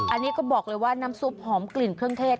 อันนี้ก็บอกเลยว่าน้ำซุปหอมกลิ่นเครื่องเทศ